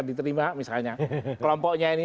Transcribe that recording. diterima misalnya kelompoknya ini